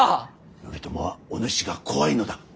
頼朝はおぬしが怖いのだ。